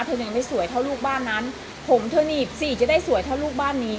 เธอยังไม่สวยเท่าลูกบ้านนั้นผมเธอหนีบสิจะได้สวยเท่าลูกบ้านนี้